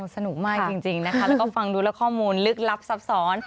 สนุกมากจริงนะคะแล้วก็ฟังดูแล้วข้อมูลลึกลับซับซ้อน